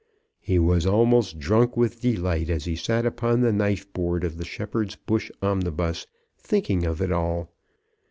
He was almost drunk with delight as he sat upon the knife board of the Shepherd's Bush omnibus, thinking of it all.